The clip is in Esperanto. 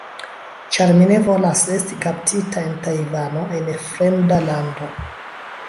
ĉar mi ne volas esti kaptita en Tajvano, en fremda lando